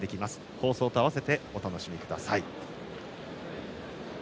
放送と併せてお楽しみください。